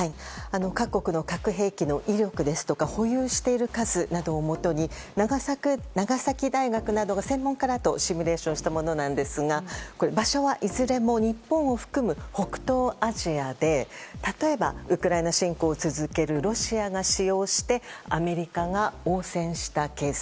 各国の核兵器の威力ですとか保有している数などをもとに長崎大学の専門家らとシミュレーションしたものですが場所はいずれも日本を含む北東アジアで例えば、ウクライナ侵攻を続けるロシアが使用してアメリカが応戦したケース。